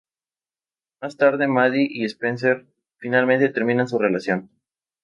Más tarde Maddy y Spencer finalmente terminan su relación.